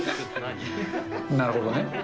なるほどね。